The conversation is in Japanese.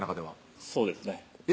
そうですね